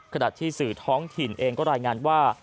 ขณะที่สื่อท้องถิ่นเองก็รายงานว่า